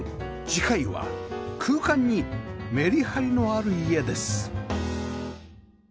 次回は空間にメリハリのある家です